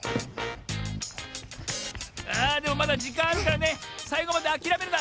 あでもまだじかんあるからねさいごまであきらめるな！